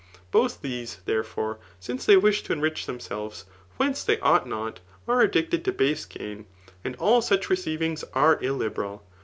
Bodi these^ therefore, since they wish to enrich themselves whence they ought not, are addicted to base gain ; and all such receivings are illiberal.